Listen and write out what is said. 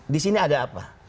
di sini ada apa